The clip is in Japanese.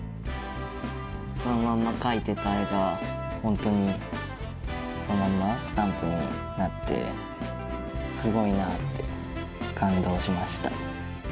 そのまま描いてた絵が本当にそのまんまスタンプになって、すごいなって感動しました。